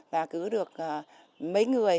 và cứ được mấy người